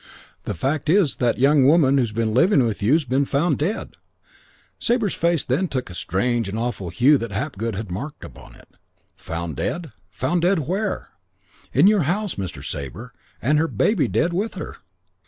The fact is that young woman that's been living with you's been found dead." Sabre's face took then the strange and awful hue that Hapgood had marked upon it. "Found dead? Found dead? Where?" "In your house, Mr. Sabre. And her baby, dead with her."